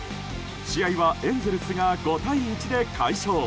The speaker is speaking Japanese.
試合はエンゼルスが５対１で快勝。